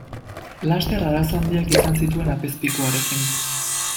Laster arazo handiak izan zituen apezpikuarekin.